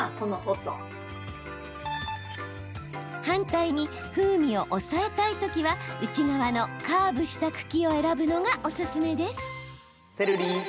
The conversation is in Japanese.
反対に、風味を抑えたいときは内側のカーブした茎を選ぶのがおすすめです。